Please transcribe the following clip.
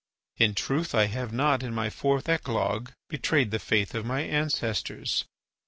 In truth I have not in my fourth Eclogue betrayed the faith of my ancestors.